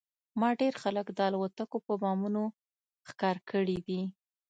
ما ډېر خلک د الوتکو په بمونو ښکار کړي دي